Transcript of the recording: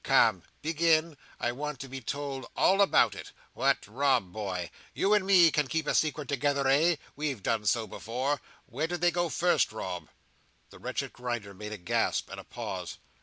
"Come! Begin! I want to be told all about it. What, Rob, boy! You and me can keep a secret together, eh? We've done so before now. Where did they go first, Rob?" The wretched Grinder made a gasp, and a pause.